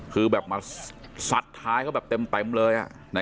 คือแบบมาซัดท้ายเขาแบบเต็มเลย